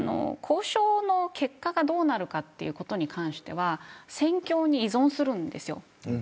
交渉の結果がどうなるかということに関しては戦況に依存するんですよ。